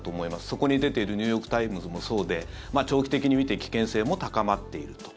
そこに出ているニューヨーク・タイムズもそうで長期的に見て危険性も高まっていると。